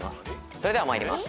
それでは参ります。